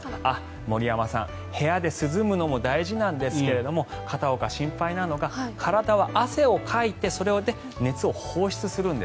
森山さん部屋で涼むのも大事なんですが片岡、心配なのが体は汗をかいてそれで熱を放出する。